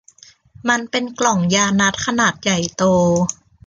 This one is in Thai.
มันเป็นกล่องยานัตถุ์ขนาดใหญ่โต